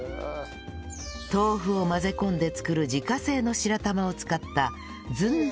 豆腐を混ぜ込んで作る自家製の白玉を使ったずんだ